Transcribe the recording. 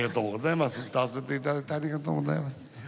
歌わせていただいてありがとうございます。